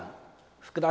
福田